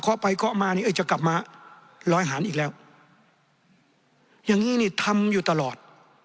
ไปเคาะมานี่เอ้ยจะกลับมาลอยหารอีกแล้วอย่างงี้นี่ทำอยู่ตลอด